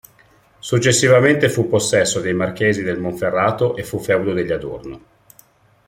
Successivamente fu possesso dei Marchesi del Monferrato e fu feudo degli Adorno.